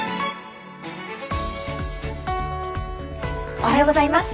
おはようございます。